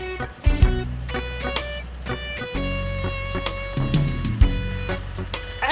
masih ada yang mau berbicara